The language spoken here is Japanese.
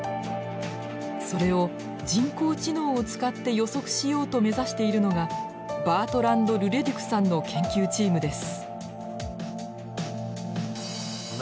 それを人工知能を使って予測しようと目指しているのがバートランド・ルレデュクさんの研究チームです。